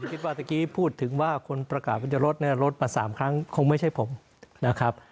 เมื่อกี้พูดถึงว่าคนประกาศว่าจะลดเนี่ยลดมา๓ครั้งคงไม่ใช่ผมนะครับ